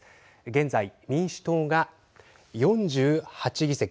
現在、民主党が４８議席。